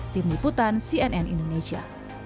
tim liputan cnn indonesia